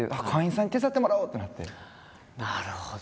なるほど。